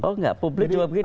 oh tidak publik juga begini pak